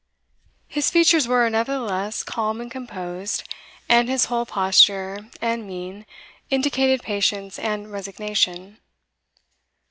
His features were, nevertheless, calm and composed, and his whole posture and mien indicated patience and resignation.